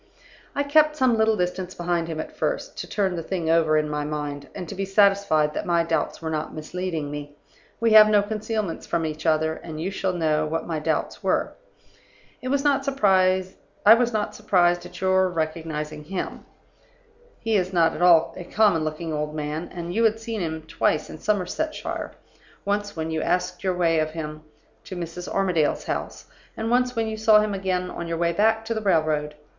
"I kept some little distance behind him at first, to turn the thing over in my mind, and to be satisfied that my doubts were not misleading me. We have no concealments from each other; and you shall know what my doubts were. "I was not surprised at your recognizing him; he is not at all a common looking old man; and you had seen him twice in Somersetshire once when you asked your way of him to Mrs. Armadale's house, and once when you saw him again on your way back to the railroad.